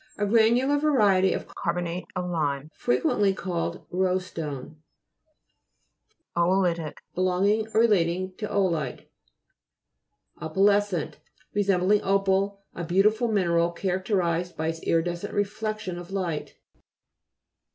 A granular variety of car bonate of lime, frequently called roeslone (p. 58). O'oLixic Belonging or relating lo o'olite. OpALE'scEirr Resembling o'pal, a beautiful mineral, characterized by its iridescent reflection of light.